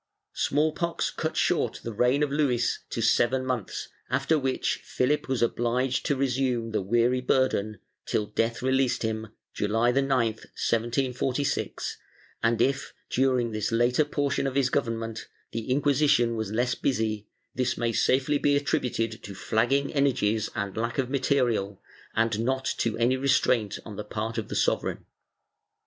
^ Small pox cut short the reign of Luis to seven months, after which Philip was obliged to resume the weary burden, till death released him, July 9, 1746, and if, during this later portion of his government, the Inquisition was less busy, this may safely be attributed to flagging energies and lack of material and not to any restraint on the part of the sovereign.